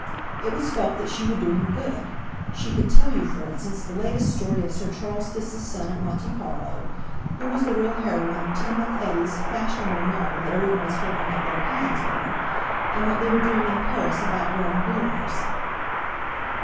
It was felt that she would do him good. She could tell you, for instance, the latest story of Sir Charles Fiste's son at Monte Carlo; who was the real heroine of Tynemouth Eddy's fashionable novel that everyone was holding up their hands over, and what they were doing in Paris about wearing bloomers.